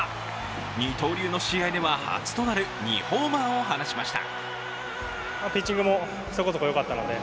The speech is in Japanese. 二刀流の試合では初となる２ホーマーを放ちました。